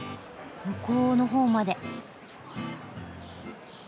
向こうの方まで。